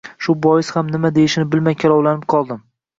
Shu bois ham nima deyishni bilmay kalovlanib qoldim